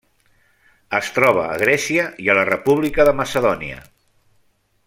Es troba a Grècia i a la República de Macedònia.